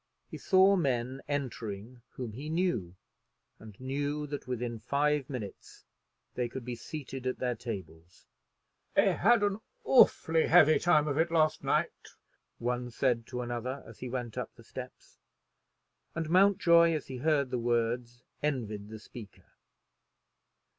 He saw men entering whom he knew, and knew that within five minutes they could be seated at their tables. "I had an awfully heavy time of it last night," one said to another as he went up the steps; and Mountjoy, as he heard the words, envied the speaker.